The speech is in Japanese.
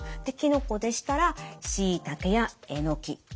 できのこでしたらしいたけやえのき。